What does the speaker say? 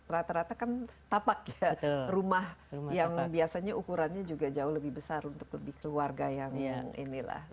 rata rata kan tapak rumah yang biasanya ukurannya juga jauh lebih besar untuk lebih keluarga yang inilah